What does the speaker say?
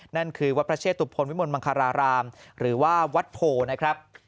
นั่นคือวัดพระเชตุพลวิมลมังคารารามหรือว่าวัดโพนะครับ